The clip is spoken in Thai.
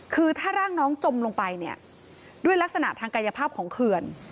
คือถ้าร่างน้องจมลงไปเนี่ยด้วยลักษณะทางกายภาพของเขื่อน